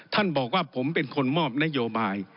ท่านบอกว่าผมเป็นคนมอบนโยบาย